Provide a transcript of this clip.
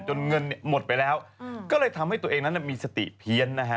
เงินหมดไปแล้วก็เลยทำให้ตัวเองนั้นมีสติเพี้ยนนะฮะ